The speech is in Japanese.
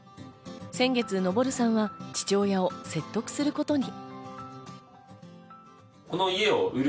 先月、のぼるさんは父親を説得することに。